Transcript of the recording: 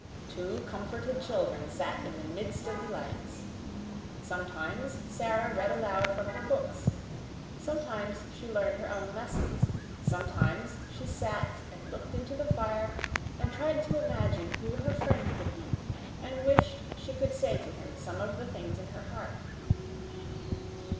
Two comforted children sat in the midst of delights. Sometimes Sara read aloud from her books, sometimes she learned her own lessons, sometimes she sat and looked into the fire and tried to imagine who her friend could be, and wished she could say to him some of the things in her heart.